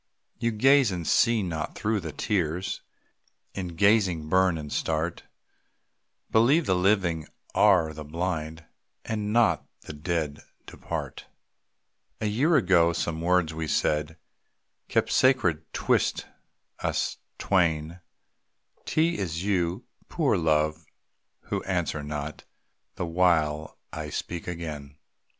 You gaze and see not, though the tears In gazing burn and start. Believe, the living are the blind, Not that the dead depart. A year ago some words we said Kept sacred 'twixt us twain, 'T is you, poor Love, who answer not, The while I speak again.